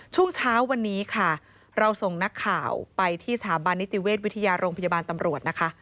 ช่วงเช้าวันนี้ค่ะเราส่งนักข่าวไปที่สถาบันนิติเวชวิทยาโรงพยาบาลตำรวจนะคะ